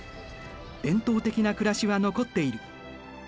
伝統的な暮らしは残っている。